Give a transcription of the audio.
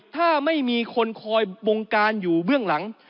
ถ้าไม่มีคนคอยบงการอยู่เบื้องหลัง